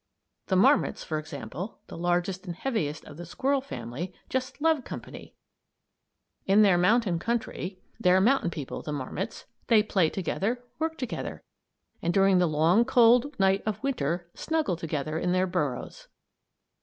The marmots, for example, the largest and heaviest of the squirrel family, just love company. In their mountain country they're mountain people, the marmots they play together, work together, and during the long, cold night of Winter snuggle together in their burrows.